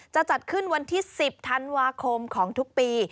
จะจัดขึ้นวันที่๑๐ธันวาคมของทุกปี